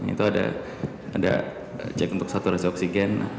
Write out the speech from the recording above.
itu ada cek untuk saturasi oksigen